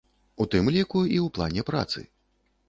У тым ліку і ў плане працы.